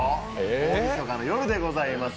大みそかの夜でございます。